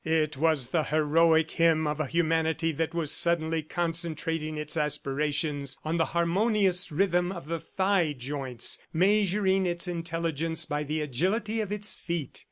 It was the heroic hymn of a humanity that was suddenly concentrating its aspirations on the harmonious rhythm of the thigh joints, measuring its intelligence by the agility of its feet.